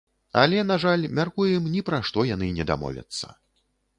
Але, на жаль, мяркуем, ні пра што яны не дамовяцца.